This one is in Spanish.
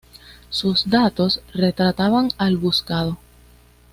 Sus datos "retrataban" al buscado.